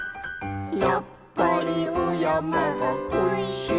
「やっぱりおやまがこいしいと」